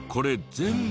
全部？